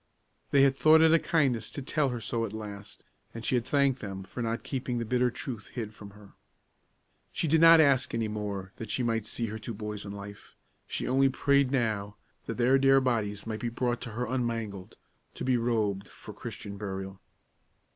They had thought it a kindness to tell her so at last, and she had thanked them for not keeping the bitter truth hid from her. She did not ask any more that she might see her two boys in life; she only prayed now that their dear bodies might be brought to her unmangled, to be robed for Christian burial.